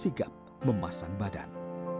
sigap memasang badan